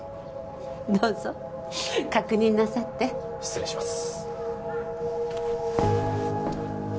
どうぞ確認なさって失礼します